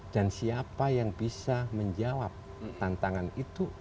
dan siapa yang bisa menjawab tantangan itu